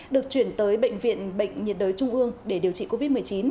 được chuyển tới bệnh viện bệnh nhiệt đới trung ương để điều trị covid một mươi chín